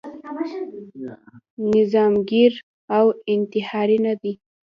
نظاميګر او انتحاري نه دی.